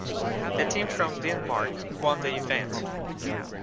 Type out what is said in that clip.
The team from Denmark won the event.